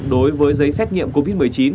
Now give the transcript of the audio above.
đối với giấy xét nghiệm covid một mươi chín